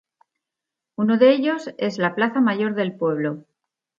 Uno de ellos es la Plaza Mayor del pueblo.